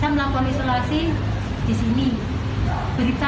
saya melakukan isolasi mandiri di luar